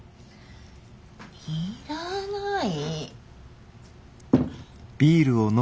いらない。